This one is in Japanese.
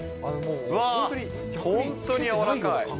本当に柔らかい。